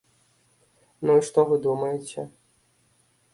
Ну і што вы думаеце?